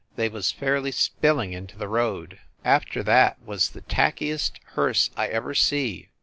They was fairly spilling into the road. After that was the tackiest hearse I ever see.